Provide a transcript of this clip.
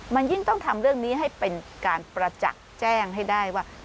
มันยิ่งต้องทำเรื่องนี้ให้เป็นการประจักษ์แจ้งให้ได้ว่า